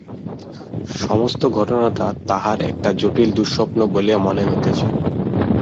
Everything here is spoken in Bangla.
সমস্ত ঘটনাটা তাঁহার একটা জটিল দুঃস্বপ্ন বলিয়া মনে হইতেছে।